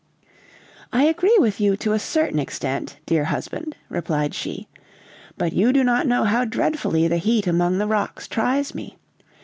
"I agree with you to a certain extent, dear husband," replied she; "but you do not know how dreadfully the heat among the rocks tries me.